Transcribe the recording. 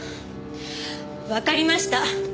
わかりました。